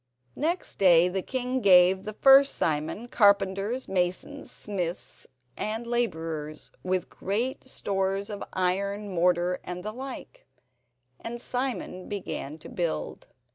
Next day the king gave the first Simon carpenters, masons, smiths and labourers, with great stores of iron, mortar, and the like, and Simon began to build.